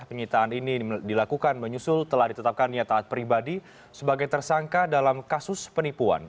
penyitaan ini dilakukan menyusul telah ditetapkan niat taat pribadi sebagai tersangka dalam kasus penipuan